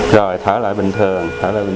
rồi thở lại bình thường